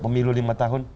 pemilu lima tahun